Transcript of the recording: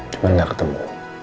cuman gak ketemu